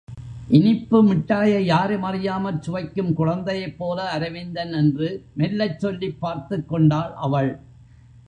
இனிப்பு மிட்டாயை யாரும் அறியாமல் சுவைக்கும் குழந்தையைப்போல அரவிந்தன் என்று மெல்லச் சொல்லிப் பார்த்துக்கொண்டாள் அவள்.